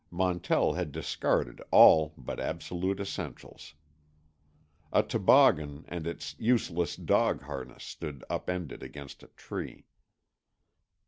Montell had discarded all but absolute essentials. A toboggan and its useless dog harness stood upended, against a tree.